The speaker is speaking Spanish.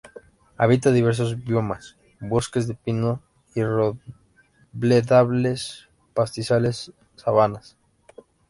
Habita diversos biomas: bosques de pinos y robledales, pastizales, sabanas.